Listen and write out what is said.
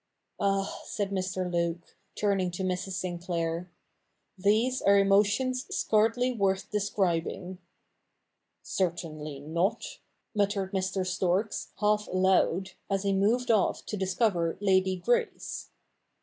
'Ah,' said Mr. Luke, turning to Mrs. Sinclair, ' these are emotions scarely worth describing.' ' Certainly not,' muttered Mr. Storks, half aloud, as he moved off to discover Lady Grace.